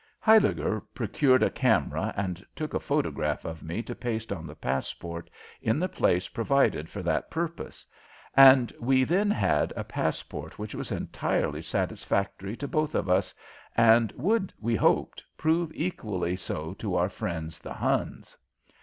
Huyliger procured a camera and took a photograph of me to paste on the passport in the place provided for that purpose, and we then had a passport which was entirely satisfactory to both of us and would, we hoped, prove equally so to our friends the Huns.